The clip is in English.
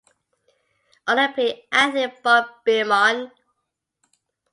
Olympic Athlete Bob Beamon.